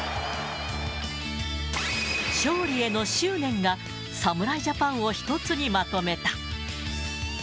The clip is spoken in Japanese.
勝利への執念が、侍ジャパンを１つにまとめた。